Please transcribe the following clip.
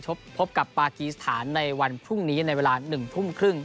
พบกับปากีสถานในวันพรุ่งนี้ในเวลา๑ทุ่มครึ่ง